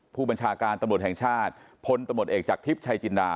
ผู้บัญชาการตำรวจแห่งชาติพลตำรวจเอกจากทิพย์ชัยจินดา